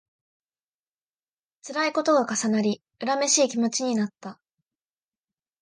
つらいことが重なり、恨めしい気持ちになった